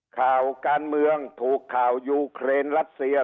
ข่าวการเมืองถูกข่าวยูเครนรัสเซีย